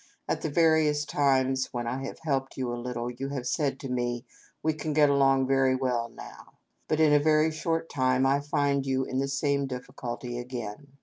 At the various times when I have helped you a little you have said to me, ' We can get along very well now,' but in a very short time I find you in the same difficulty again.